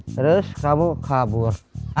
terus kamu kabur